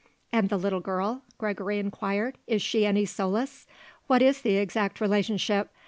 "And the little girl?" Gregory inquired. "Is she any solace? What is the exact relationship?